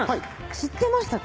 知ってましたか？